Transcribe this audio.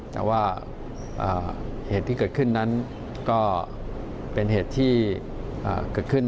แต่ว่าเหตุที่เกิดขึ้นนั้นก็เป็นเหตุที่เกิดขึ้น